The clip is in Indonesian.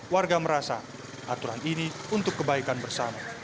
warga merasa aturan ini untuk kebaikan bersama